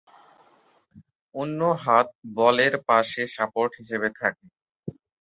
অন্য হাত বলের পাশে সাপোর্ট হিসেবে থাকে।